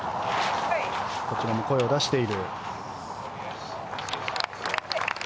こちらも声を出している。